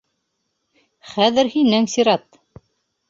Хәҙер һинең сират.